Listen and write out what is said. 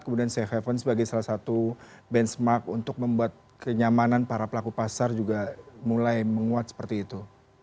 kemudian safe haven sebagai salah satu benchmark untuk membuat kenyamanan para pelaku pasar juga mulai menguat seperti itu